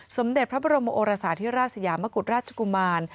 สมเด็จพระบรมโอราศาสตร์ที่ราชสยามกุฎราชกุมาร